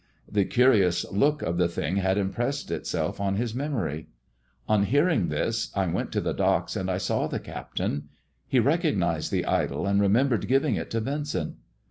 The curious look of the thing had impressed itself on his memory. On hearing this I went to the docks and I saw the captain. He recognized the idol, and remembered giving it to Vin cent.